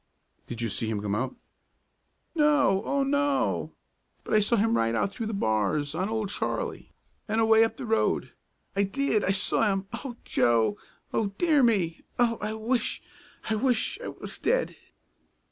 "Did you see him come out?" "No, oh, no! But I saw him ride out through the bars on Old Charlie, and away up the road. I did, I saw him. O Joe! Oh, dear me! Oh, I wish I wish I was dead!"